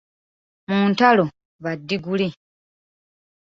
Mu ntalo ba ddiguli.